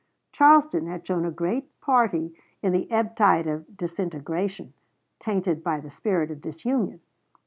Charleston had shown a great party in the ebbtide of disintegration, tainted by the spirit of disunion.